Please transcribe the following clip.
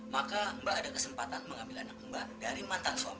maka mbak ada kesempatan mengambil anak mbak dari mantan suami